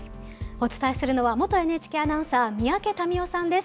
お伝えするのは元ＮＨＫアナウンサー、三宅民夫さんです。